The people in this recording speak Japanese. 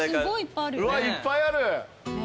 うわっいっぱいある。